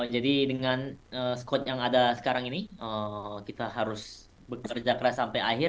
jadi dengan skuad yang ada sekarang ini kita harus bekerja keras sampai akhir